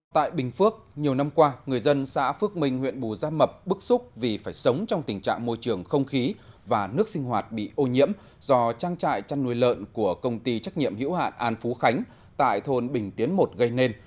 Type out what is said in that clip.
tại bình phước nhiều năm qua người dân xã phước minh huyện bù gia mập bức xúc vì phải sống trong tình trạng môi trường không khí và nước sinh hoạt bị ô nhiễm do trang trại chăn nuôi lợn của công ty trách nhiệm hữu hạn an phú khánh tại thôn bình tiến một gây nên